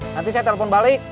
nanti saya telepon balik